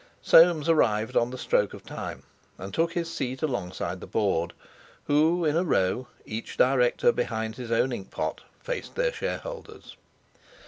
Soames arrived on the stroke of time, and took his seat alongside the Board, who, in a row, each Director behind his own ink pot, faced their Shareholders.